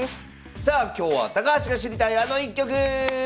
さあ今日は「高橋が知りたいあの一局」！